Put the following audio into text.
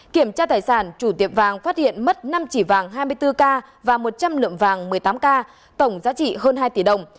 kiểm tra tài sản chủ tiệm vàng phát hiện mất năm chỉ vàng hai mươi bốn k và một trăm linh lượng vàng một mươi tám k tổng giá trị hơn hai tỷ đồng